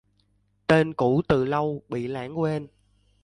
Tên cũ từ lâu bị lãng quên